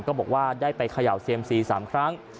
ก็บอกว่าได้ไปเขย่าเซียมซี๓ครั้ง